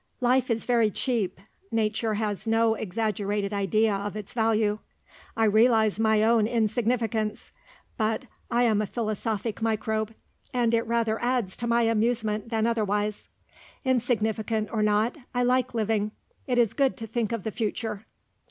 "Life is very cheap. Nature has no exaggerated idea of its value. I realise my own insignificance, but I am a philosophic microbe, and it rather adds to my amusement than otherwise. Insignificant or not, I like living, it is good to think of the future."